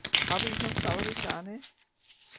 Habe ich noch saure Sahne?